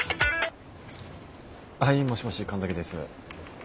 はいもしもし神崎です。